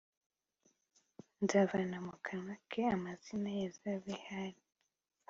Nzavana mu kanwa ke amazina ya za Behali,